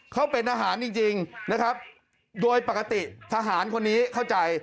เขาเป็นทหารจริงจริงนะครับโดยปกติทหารคนนี้เข้าใจ